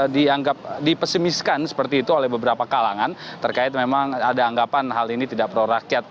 dianggap dipesimiskan seperti itu oleh beberapa kalangan terkait memang ada anggapan hal ini tidak pro rakyat